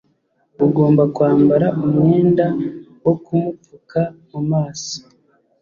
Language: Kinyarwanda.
ugomba kwambara umwenda wo kumupfuka mu maso